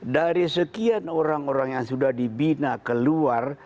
dari sekian orang orang yang sudah dibina keluar